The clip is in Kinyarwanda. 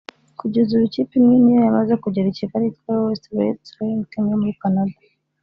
Kugeza ubu ikipe imwe niyo yamaze kugera i Kigali yitwa Lowest Rates Cycling Team yo muri Canada